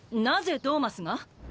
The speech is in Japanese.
なぜドーマスが？